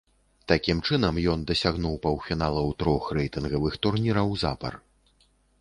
Такім чынам, ён дасягнуў паўфіналаў трох рэйтынгавых турніраў запар.